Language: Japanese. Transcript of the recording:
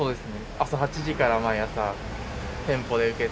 朝８時から毎朝店舗で受付して。